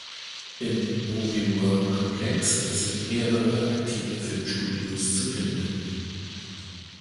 Im Movie-World-Komplex sind mehrere aktive Filmstudios zu finden.